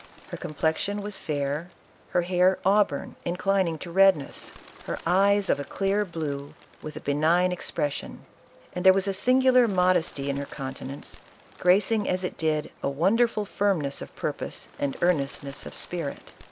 Iler complexion was fair; her hair auburn, inclining to red ness; her eyes of a clear blue, with a benign expres sion; and there was a singular modesty in her counte nance, gracing as it did a wonderful firmness of pur pose and earnestness of spirit."